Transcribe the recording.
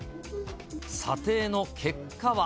査定の結果は。